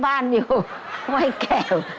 บ้านอยู่ไม่แก่ว